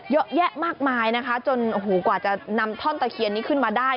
เยอะแยะมากมายนะคะจนโอ้โหกว่าจะนำท่อนตะเคียนนี้ขึ้นมาได้